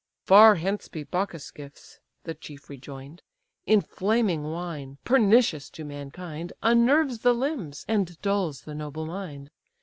"Far hence be Bacchus' gifts; (the chief rejoin'd;) Inflaming wine, pernicious to mankind, Unnerves the limbs, and dulls the noble mind.